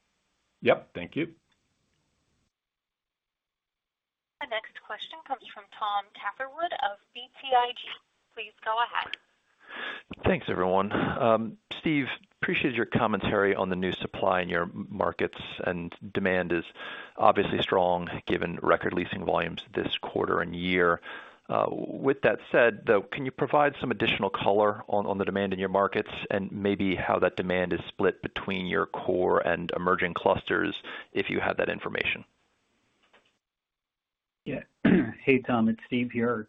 Yep, thank you. The next question comes from Tom Catherwood of BTIG, please go ahead. Thanks, everyone. Steve, appreciate your commentary on the new supply in your markets, and demand is obviously strong given record leasing volumes this quarter and year. With that said, though, can you provide some additional color on the demand in your markets and maybe how that demand is split between your core and emerging clusters, if you have that information? Yeah. Hey, Tom, it's Steve here.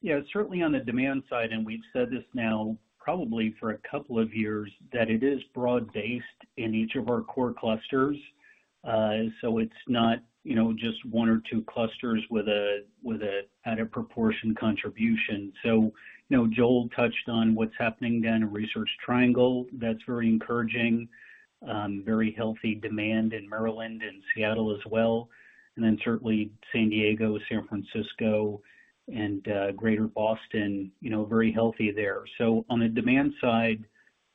Yeah, certainly on the demand side, and we've said this now probably for a couple of years, that it is broad-based in each of our core clusters. It's not, you know, just one or two clusters with a out of proportion contribution. You know, Joel touched on what's happening down in Research Triangle. That's very encouraging. Very healthy demand in Maryland and Seattle as well. Certainly San Diego, San Francisco and Greater Boston, you know, very healthy there. On the demand side,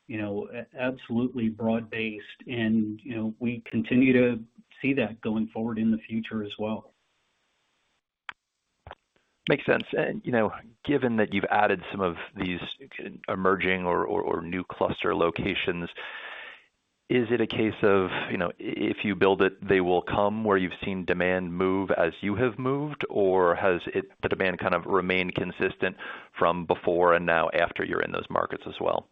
you know, absolutely broad-based, and, you know, we continue to see that going forward in the future as well. Makes sense. You know, given that you've added some of these emerging or new cluster locations, is it a case of, you know, if you build it, they will come, where you've seen demand move as you have moved? Or has it the demand kind of remained consistent from before and now after you're in those markets as well?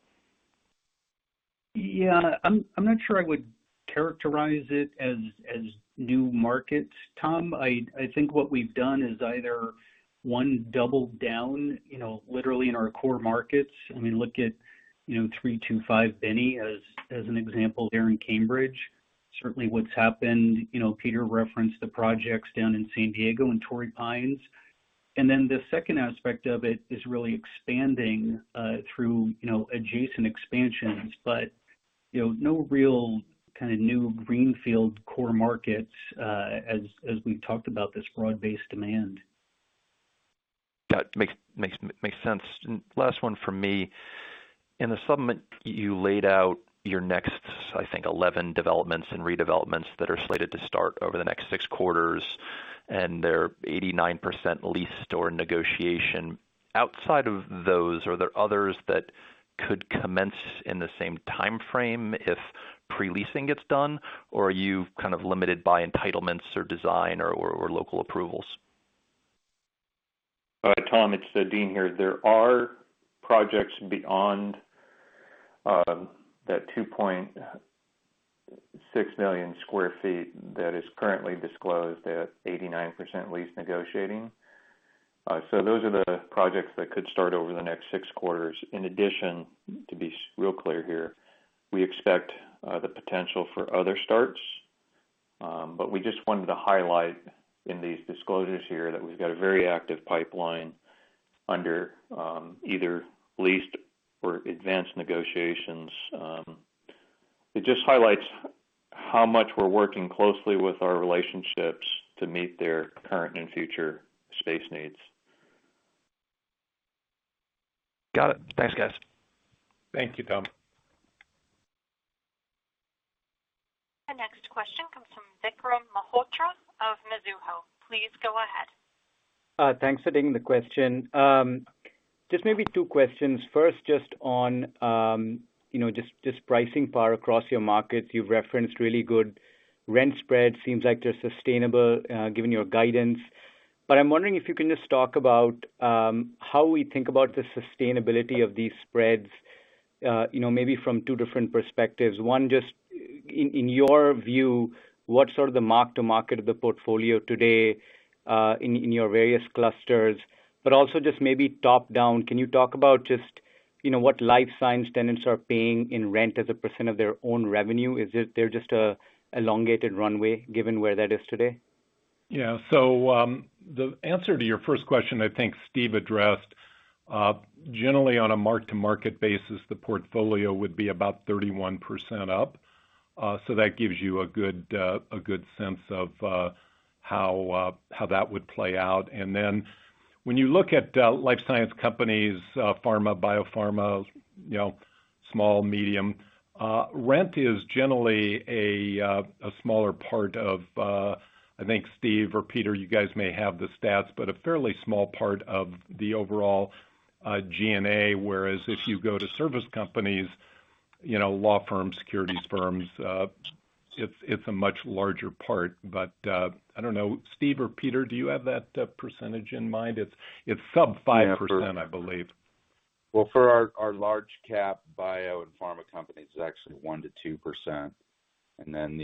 Yeah, I'm not sure I would characterize it as new markets, Tom. I think what we've done is either one, doubled down, you know, literally in our core markets. I mean, look at, you know, 325 Binney as an example there in Cambridge. Certainly what's happened, you know, Peter referenced the projects down in San Diego in Torrey Pines. Then the second aspect of it is really expanding through, you know, adjacent expansions. You know, no real kind of new greenfield core markets, as we talked about this broad-based demand. That makes sense. Last one from me. In the supplement, you laid out your next, I think, 11 developments and redevelopments that are slated to start over the next 6 quarters, and they're 89% leased or in negotiation. Outside of those, are there others that could commence in the same timeframe if pre-leasing gets done, or are you kind of limited by entitlements or design or local approvals? Tom, it's Dean here. There are projects beyond that 2.6 million sq ft that is currently disclosed at 89% leased or negotiating. Those are the projects that could start over the next six quarters. In addition, real clear here, we expect the potential for other starts. We just wanted to highlight in these disclosures here that we've got a very active pipeline under either leased or advanced negotiations. It just highlights how much we're working closely with our relationships to meet their current and future space needs. Got it. Thanks, guys. Thank you, Tom. The next question comes from Vikram Malhotra of Mizuho. Please go ahead. Thanks for taking the question. Just maybe two questions. First, just on, you know, just pricing power across your markets. You've referenced really good rent spread, seems like they're sustainable, given your guidance. I'm wondering if you can just talk about, how we think about the sustainability of these spreads, you know, maybe from two different perspectives. One, just in your view, what's sort of the mark-to-market of the portfolio today, in your various clusters? Also just maybe top-down, can you talk about just, you know, what life science tenants are paying in rent as a percent of their own revenue? Is it they're just an elongated runway given where that is today? Yeah. The answer to your first question, I think Steve addressed. Generally on a mark-to-market basis, the portfolio would be about 31% up. That gives you a good sense of how that would play out. Then when you look at life science companies, pharma, biopharma, you know, small, medium rent is generally a smaller part of, I think Steve or Peter, you guys may have the stats, but a fairly small part of the overall G&A, whereas if you go to service companies, you know, law firms, securities firms, it's a much larger part. I don't know, Steve or Peter, do you have that percentage in mind? It's sub 5%, I believe. Well, for our large cap bio and pharma companies, it's actually 1%-2%. Then,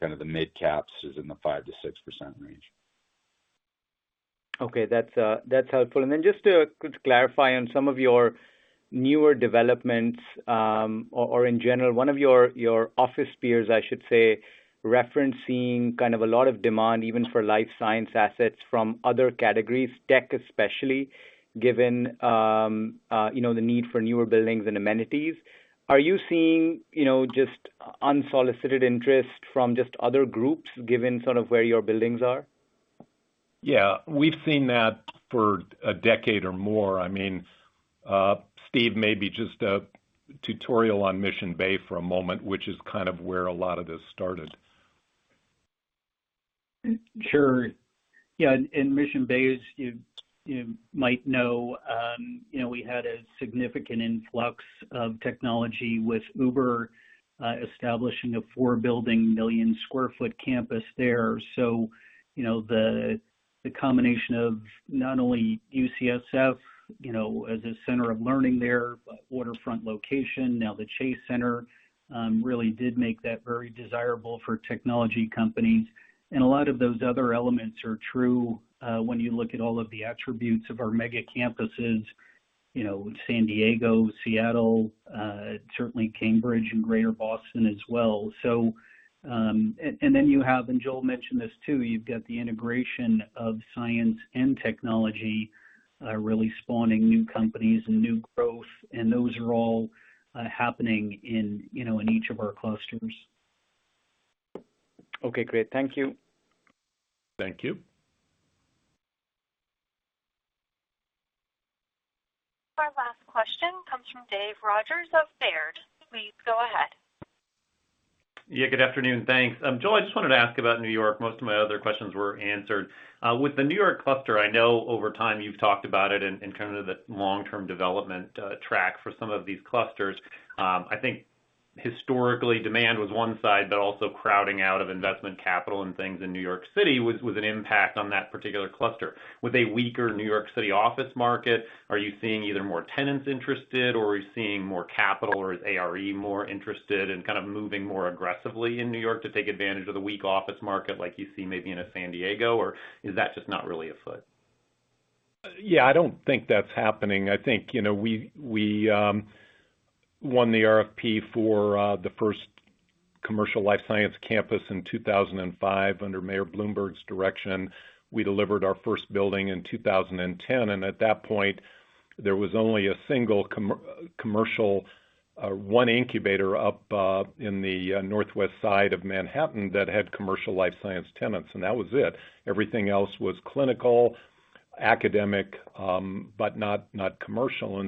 kind of, the mid-caps is in the 5%-6% range. Okay. That's helpful. Then just to clarify on some of your newer developments, or in general, one of your office peers, I should say, referencing kind of a lot of demand, even for life science assets from other categories, tech especially, given you know, the need for newer buildings and amenities. Are you seeing you know, just unsolicited interest from just other groups given sort of where your buildings are? Yeah. We've seen that for a decade or more. I mean, Steve, maybe just a tutorial on Mission Bay for a moment, which is kind of where a lot of this started. Sure. Yeah, in Mission Bay, as you might know, you know, we had a significant influx of technology with Uber establishing a four-building 1 million sq ft campus there. You know, the combination of not only UCSF, you know, as a center of learning there, a waterfront location, now the Chase Center, really did make that very desirable for technology companies. A lot of those other elements are true when you look at all of the attributes of our mega-campuses, you know, San Diego, Seattle, certainly Cambridge and Greater Boston as well. Then you have, and Joel mentioned this too, you've got the integration of science and technology really spawning new companies and new growth, and those are all happening in, you know, in each of our clusters. Okay, great. Thank you. Thank you. Our last question comes from Dave Rodgers of Baird. Please go ahead. Yeah, good afternoon. Thanks. Joel, I just wanted to ask about New York. Most of my other questions were answered. With the New York cluster, I know over time you've talked about it in kind of the long-term development track for some of these clusters. I think historically demand was one side, but also crowding out of investment capital and things in New York City was an impact on that particular cluster. With a weaker New York City office market, are you seeing either more tenants interested or are you seeing more capital, or is ARE more interested in kind of moving more aggressively in New York to take advantage of the weak office market like you see maybe in San Diego? Or is that just not really afoot? Yeah, I don't think that's happening. I think we won the RFP for the first commercial life science campus in 2005 under Mayor Bloomberg's direction. We delivered our first building in 2010, and at that point, there was only a single commercial one incubator up in the northwest side of Manhattan that had commercial life science tenants, and that was it. Everything else was clinical, academic, but not commercial.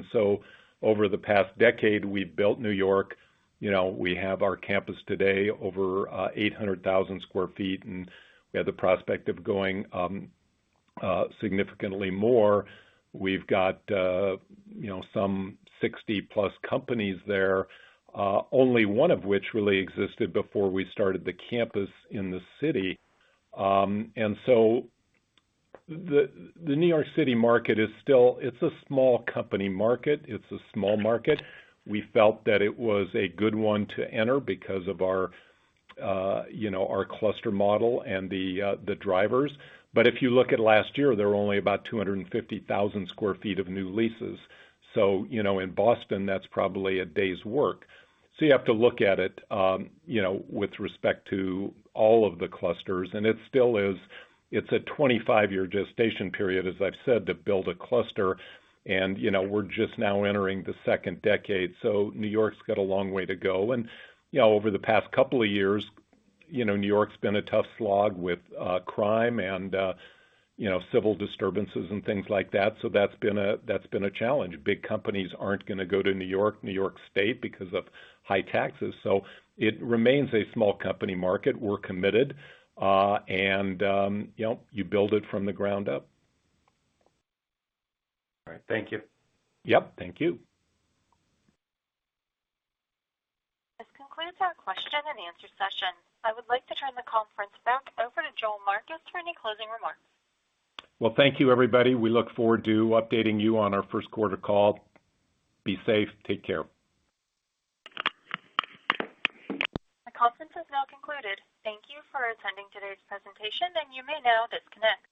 Over the past decade, we've built New York. We have our campus today over 800,000 sq ft, and we have the prospect of going significantly more. We've got some 60+ companies there, only one of which really existed before we started the campus in the city. The New York City market is still a small company market. It's a small market. We felt that it was a good one to enter because of our you know, our cluster model and the the drivers. If you look at last year, there were only about 250,000 sq ft of new leases. You know, in Boston, that's probably a day's work. You have to look at it you know, with respect to all of the clusters. It still is a 25-year gestation period, as I've said, to build a cluster and you know, we're just now entering the second decade. New York's got a long way to go. You know, over the past couple of years, you know, New York's been a tough slog with crime and, you know, civil disturbances and things like that. That's been a challenge. Big companies aren't gonna go to New York, New York State because of high taxes. It remains a small company market. We're committed. You know, you build it from the ground up. All right. Thank you. Yep, thank you. This concludes our Q&A session. I would like to turn the conference back over to Joel Marcus for any closing remarks. Well, thank you, everybody. We look forward to updating you on our first quarter call. Be safe. Take care. The conference has now concluded. Thank you for attending today's presentation, and you may now disconnect.